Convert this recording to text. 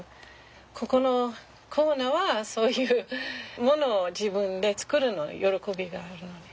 ここのコーナーはそういうものを自分で作るの喜びがあるのね。